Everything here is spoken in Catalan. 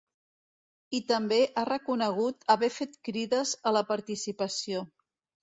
I també ha reconegut haver fet crides a la participació.